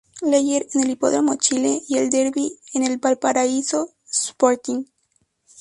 Leger, en el Hipódromo Chile; y el Derby, en el Valparaíso Sporting.